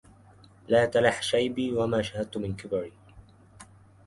لا تلح شيبي وما شاهدت من كبري